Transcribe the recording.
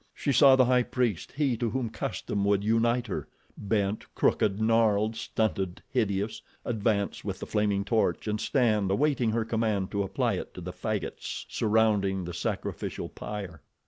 She saw the High Priest, he to whom custom would unite her—bent, crooked, gnarled, stunted, hideous—advance with the flaming torch and stand awaiting her command to apply it to the faggots surrounding the sacrificial pyre.